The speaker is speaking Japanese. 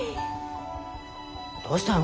どうしたの？